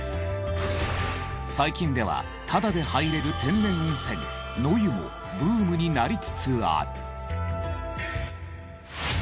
最近ではタダで入れる天然温泉野湯もブームになりつつある。